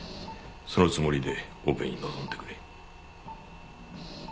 そのつもりでオペに臨んでくれ。